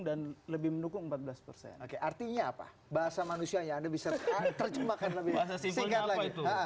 dan lebih mendukung empat belas persen oke artinya apa bahasa manusia yang lebih serta terjemahkan lebih singkat lagi